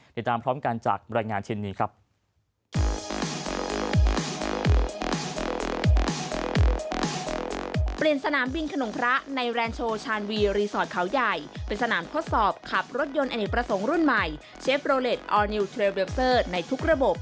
ติดตามพร้อมกันจากรายงานเช่นนี้ครับ